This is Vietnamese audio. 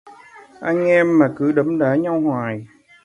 Anh em mà cứ đấm đá nhau hoài